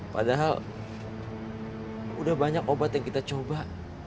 padahal udah banyak obat yang kita coba